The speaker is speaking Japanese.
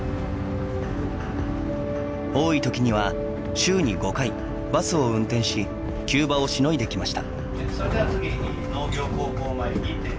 多いときには週に５回バスを運転し急場をしのいできました。